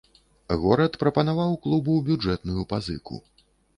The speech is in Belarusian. Горад прапанаваў клубу бюджэтную пазыку.